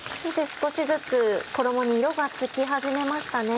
少しずつ衣に色がつき始めましたね。